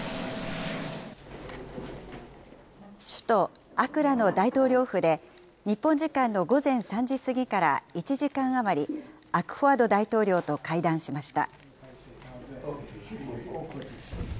首都アクラの大統領府で日本時間の午前３時過ぎから１時間余り、アクフォアド大統領と会談しました。